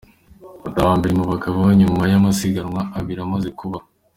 Batanu ba mbere mu bagabo nyuma y’amasiganwa abiri amaze kuba:.